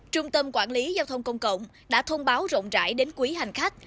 trung tâm quản lý giao thông công cộng đã thông báo rộng rãi đến quý hành khách